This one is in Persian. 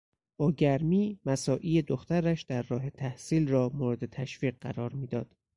با گرمی مساعی دخترش در راه تحصیل را مورد تشویق قرار میداد.